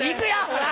ほら！